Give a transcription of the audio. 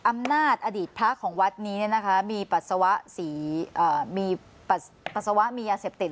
อำนาจอดีตพระของวัดนี้เนี่ยนะคะมีปัสสาวะสีเอ่อมีปัสสาวะมียาเสพติด